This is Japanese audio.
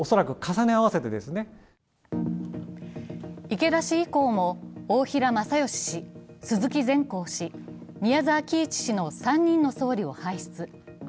池田氏以降も大平正芳氏、鈴木善幸氏、宮沢喜一氏の３人の総理を輩出。